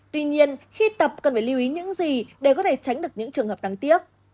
tuy nhiên khi tập cần phải lưu ý những gì để có thể tránh được những trường hợp đáng tiếc